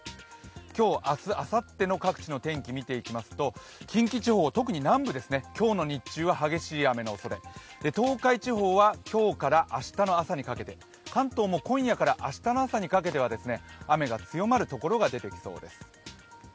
今日、明日、あさっての各地の天気、見ていきますと近畿地方、特に南部ですね、今日の日中は激しい雨のおそれ東海地方は今日から明日の朝にかけて、関東も今夜から明日の朝にかけては雨の強まるところが出てきそうです。